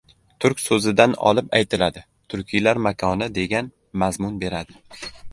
— Turk so‘zidan olib aytiladi. Turkiylar makoni, degan mazmun beradi.